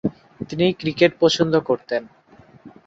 তিনি ক্রিকেট পছন্দ করতেন।